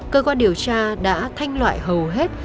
cơ quan điều tra đã thanh loại hầu hết